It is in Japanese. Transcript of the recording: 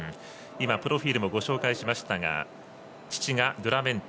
プロフィールもご紹介しましたが父がドゥラメンテ。